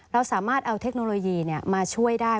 เราสามารถเอาเทคโนโลยีมาช่วยได้